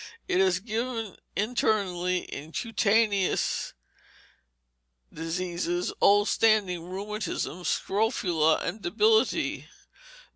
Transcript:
It is given internally in cutaneous diseases, old standing rheumatism, scrofula, and debility.